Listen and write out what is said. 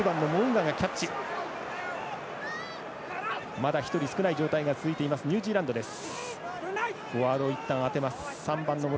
まだ１人少ない状態が続いているニュージーランドです。